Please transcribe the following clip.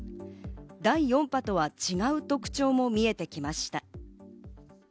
第４波とは違う特徴も見えてきました。